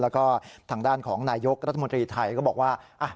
แล้วก็ทางด้านของนายกรัฐมนตรีไทยก็บอกว่า